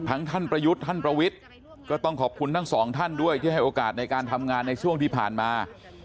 ท่านประยุทธ์ท่านประวิทย์ก็ต้องขอบคุณทั้งสองท่านด้วยที่ให้โอกาสในการทำงานในช่วงที่ผ่านมา